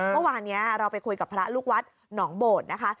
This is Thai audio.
เมื่อวานนี้เราไปคุยกับพระลูกวัดหนองโบดนะคะ